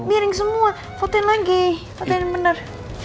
miring semua fotoin lagi fotoin benar